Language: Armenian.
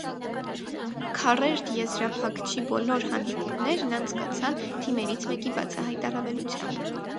Քառերդ եզրափակչի բոլոր հանդիպումներն անցկացան թիմերից մեկի բացահայտ առավելությամբ։